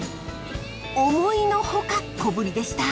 思いのほか小ぶりでした。